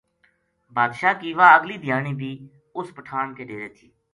بادشاہ کی واہ اگلی دھیانی بی اُس پٹھان کے ڈیرے تھی